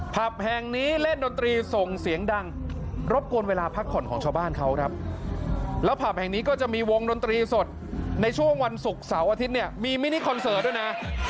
ผับแห่งนี้เล่นดนตรีส่งเสียงดังรบกวนเวลาพักผ่อนของชาวบ้านเขาครับแล้วผับแห่งนี้ก็จะมีวงดนตรีสดในช่วงวันศุกร์เสาร์อาทิตย์เนี่ยมีมินิคอนเสิร์ตด้วยนะ